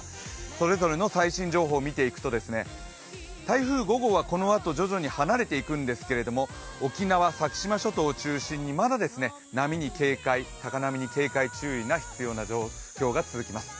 それぞれの最新情報を見ていくと、台風５号はこのあと、徐々に離れていくんですけど沖縄、先島諸島を中心にまだ高波に警戒注意が必要な状況が続きます。